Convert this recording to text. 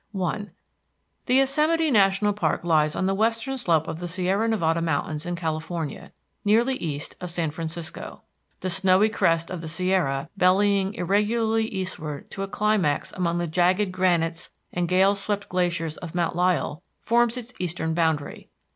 I The Yosemite National Park lies on the western slope of the Sierra Nevada Mountains in California, nearly east of San Francisco. The snowy crest of the Sierra, bellying irregularly eastward to a climax among the jagged granites and gale swept glaciers of Mount Lyell, forms its eastern boundary.